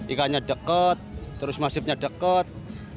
ikannya deket terus masifnya deket